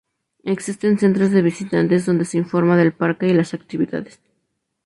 Existen Centros de visitantes donde se informa del parque y las actividades.